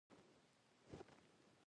چاته یې درک نه معلومېده.